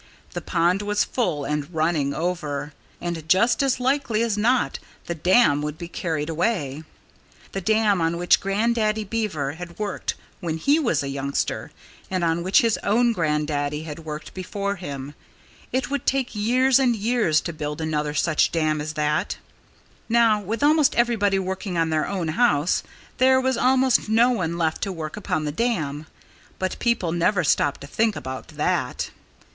The pond was full and running over! And just as likely as not the dam would be carried away the dam on which Grandaddy Beaver had worked when he was a youngster, and on which his own grandaddy had worked before him. It would take years and years to build another such dam as that. Now, with almost everybody working on his own house, there was almost no one left to work upon the dam. But people never stopped to think about that.